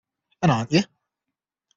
And aren't you?